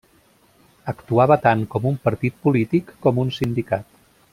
Actuava tant com un partit polític com un sindicat.